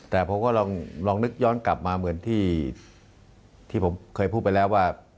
แต่ผมก็ลองนึกย้อนกลับมาเหมือนที่ผมเคยพูดไปแล้วว่า